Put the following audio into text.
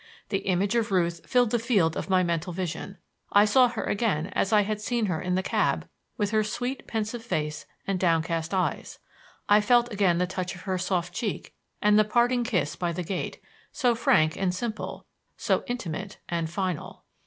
The image of Ruth filled the field of my mental vision. I saw her again as I had seen her in the cab with her sweet, pensive face and downcast eyes; I felt again the touch of her soft cheek and the parting kiss by the gate, so frank and simple, so intimate and final.